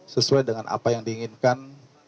sesuai dengan apa yang diinginkan